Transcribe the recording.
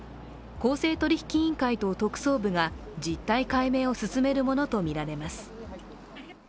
公正取引委員会と特捜部が実態解明を進めるものとみられます。